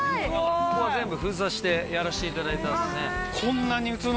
ここは全部封鎖してやらせていただいたんですね。